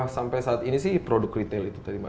sampai saat ini sih produk retail itu tadi mas